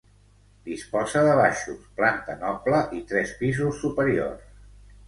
Disposa de baixos, planta noble i tres pisos superiors.